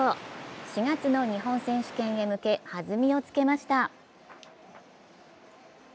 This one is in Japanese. ４月の日本選手権へ向け弾みをつけました。